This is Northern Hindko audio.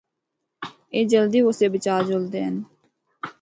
اے جلدی غصے بچ آ جلدے ہن۔